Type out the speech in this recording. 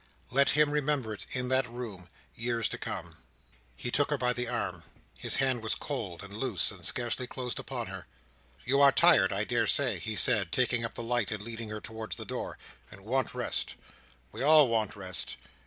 Let him remember it in that room, years to come! He took her by the arm. His hand was cold, and loose, and scarcely closed upon her. "You are tired, I daresay," he said, taking up the light, and leading her towards the door, "and want rest. We all want rest.